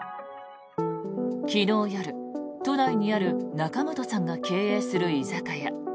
昨日夜、都内にある仲本さんが経営する居酒屋。